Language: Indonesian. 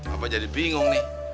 apa jadi bingung nih